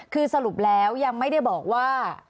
คือสรุปแล้วยังไม่ได้บอกว่า